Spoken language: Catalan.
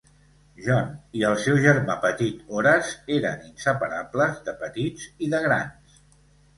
John i el seu germà petit Horace eren inseparables de petits i de grans.